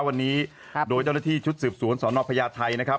วันนี้โดยเจ้าหน้าที่ชุดสืบสวนสนพญาไทยนะครับ